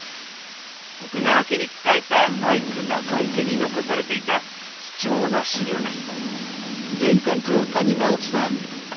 徳川家に仕えた大工中井家に残されていた貴重な史料です。